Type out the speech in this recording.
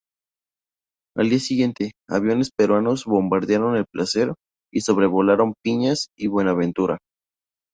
Al día siguiente, aviones peruanos bombardearon El Placer y sobrevolaron Piñas y Buenaventura.